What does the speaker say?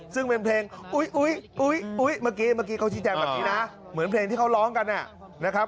ซึ่งเป็นเพลงอุ๊ยอุ๊ยเมื่อกี้เมื่อกี้เขาชี้แจงแบบนี้นะเหมือนเพลงที่เขาร้องกันนะครับ